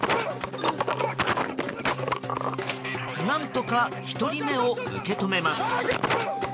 何とか１人目を受け止めます。